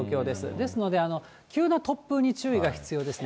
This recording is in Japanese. ですので、急な突風に注意が必要ですね。